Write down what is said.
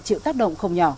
chịu tác động không nhỏ